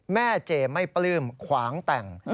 เจไม่ปลื้มขวางแต่ง